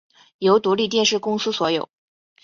由独立电视公司所有。